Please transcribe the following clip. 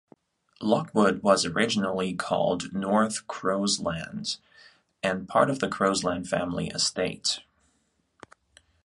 Lockwood was originally called "North Crosland" and part of the Crosland family estate.